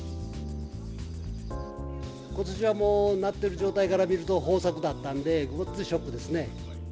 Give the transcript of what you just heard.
ことしはもう、なってる状態から見ると豊作だったんで、ごっついショックですね。